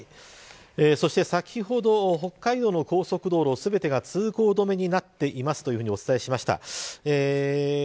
そして先ほど、北海道の高速道路全てが通行止めになっていますとお伝えしました。